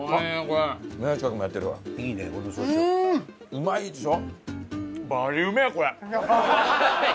うまいでしょ？